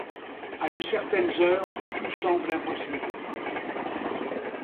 À de certaines heures, tout semble impossible.